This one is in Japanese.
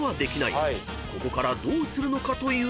［ここからどうするのかというと］